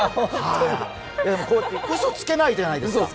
うそつけないじゃないですか。